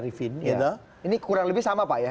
rifin ini kurang lebih sama pak ya